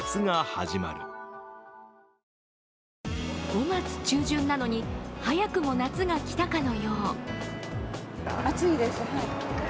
５月中旬なのに早くも夏が来たかのよう。